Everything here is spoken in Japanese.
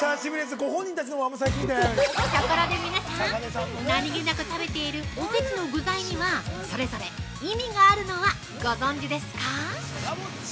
◆ところで皆さん、何げなく食べているおせちの具材にはそれぞれ意味があるのはご存じですか？